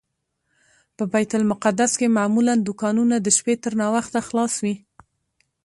په بیت المقدس کې معمولا دوکانونه د شپې تر ناوخته خلاص وي.